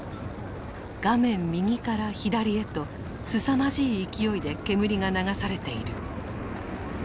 画面右から左へとすさまじい勢いで煙が流されている。